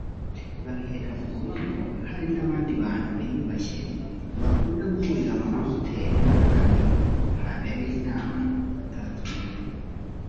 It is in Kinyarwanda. Babihera ku kuba ngo hari n’abandi bantu biyubashye bakunda guhurira mu mahoteli n’ahandi habereye inama batatumiwe